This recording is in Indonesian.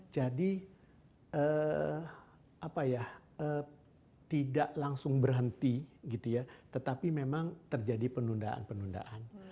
jadi tidak langsung berhenti tetapi memang terjadi penundaan penundaan